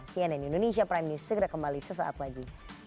cnn indonesia prime news segera kembali sesaat lagi